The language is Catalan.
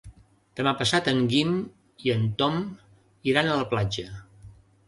Demà passat en Guim i en Tom iran a la platja.